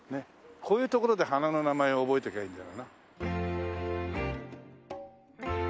こういうところで花の名前を覚えていけばいいんだろうな。